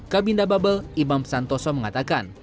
kabinda bubble imam santoso mengatakan